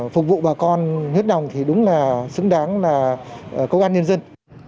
phục vụ bà con nhất nồng thì đúng là xứng đáng là công an nhân dân